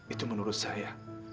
itu menurut saya